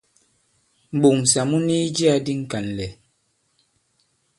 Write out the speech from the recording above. M̀ɓoŋsà mu ni i jiyā di ŋ̀kànlɛ̀.